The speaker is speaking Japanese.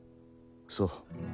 そう。